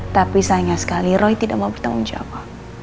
tapi sayang sekali roy tidak mau bertemu jawa